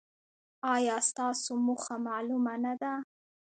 ایا ستاسو موخه معلومه نه ده؟